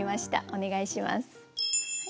お願いします。